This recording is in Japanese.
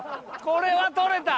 これは取れた。